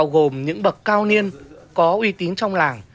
còn đội phù giá bao gồm những bậc cao niên có uy tín trong làng